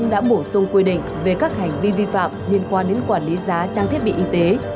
đã bổ sung quy định về các hành vi vi phạm liên quan đến quản lý giá trang thiết bị y tế